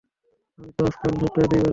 আমি তো আজকাল সপ্তাহে দুইবার আসছি।